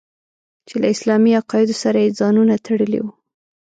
چې له اسلامي عقایدو سره یې ځانونه تړلي وو.